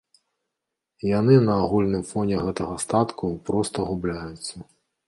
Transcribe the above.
Яны на агульным фоне гэтага статку проста губляюцца.